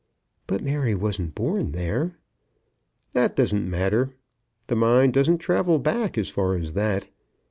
"But Mary wasn't born there." "That doesn't matter. The mind doesn't travel back as far as that.